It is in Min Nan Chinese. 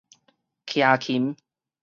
徛琴